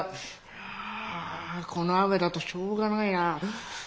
あこの雨だとしょうがないな。